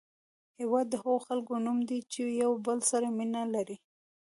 هېواد د هغو خلکو نوم دی چې یو بل سره مینه لري.